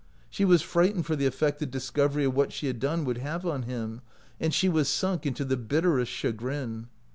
She was frightened for the effect the discovery of what she had done would have on him, and she was sunk into the bitterest chagrin.